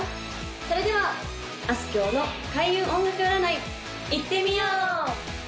それではあすきょうの開運音楽占いいってみよう！